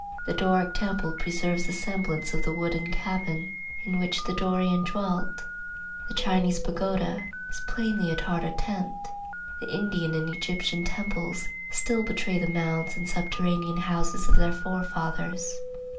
The Doric temple preserves the semblance of the wooden cabin in which the Dorian dwelt. The Chinese pagoda is plainly a Tartar tent. The Indian and Egyptian temples still betray the mounds and subterranean houses of their forefathers.